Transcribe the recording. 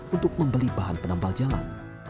untuk membeli bahan penambal jalan